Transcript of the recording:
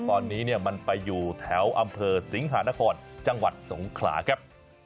ตอนนี้มันไปอยู่แถวอำเภอสิงหานครจังหวัดสงขลาครับ